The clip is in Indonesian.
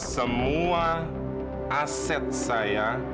semua aset saya